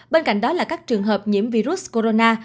bên cạnh đó là các trường hợp nhiễm virus corona